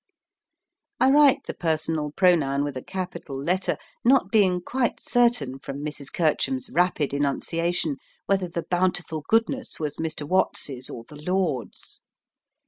I write the personal pronoun with a capital letter, not being quite certain from Mrs. Kercham's rapid enunciation whether the bountiful goodness was Mr. Watts's or the Lord's.